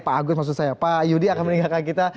pak agus maksud saya pak yudi akan meninggalkan kita